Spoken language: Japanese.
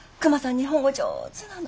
日本語上手なの。